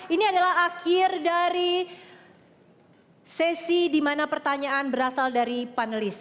ini adalah akhir dari sesi di mana pertanyaan berasal dari panelis